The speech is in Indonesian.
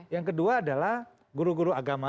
yang kedua adalah guru guru agama